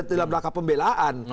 dalam rangka pembelaan